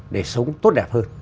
để sống tốt đẹp hơn